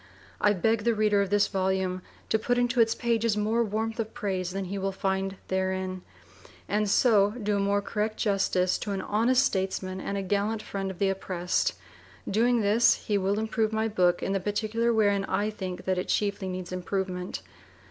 I beg the reader of this volume to put into its pages more warmth of praise than he will find therein, and so do a more correct justice to an honest statesman and a gallant friend of the oppressed. Doing this, he will improve my book in the particular wherein I think that it chiefly needs improvement.